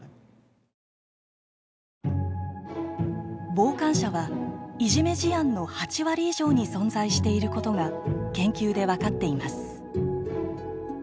傍観者はいじめ事案の８割以上に存在していることが研究で分かっています。